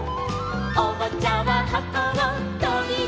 「おもちゃははこをとびだして」